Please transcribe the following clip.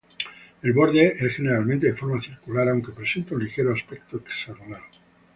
El borde es generalmente de forma circular, aunque presenta un ligero aspecto hexagonal.